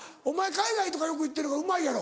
海外とかよく行ってるからうまいやろ？